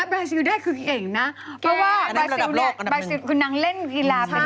รับรับโลคอันดับหนึ่งเพราะว่าบัสสิวคุณนางเล่นฮีลาประหลักเลยอะ